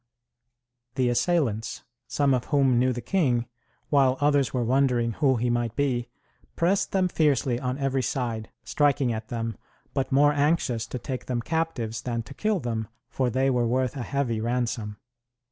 The assailants some of whom knew the king, while others were wondering who he might be pressed them fiercely on every side, striking at them, but more anxious to take them captives than to kill them, for they were worth a heavy ransom.